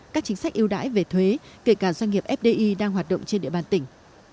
các chính sách yêu đãi về thuế kể cả doanh nghiệp fdi đang hoạt động trên địa bàn tỉnh